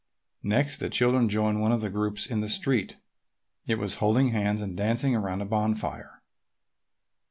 Next, the children joined one of the groups in the street. It was holding hands and dancing around a bonfire.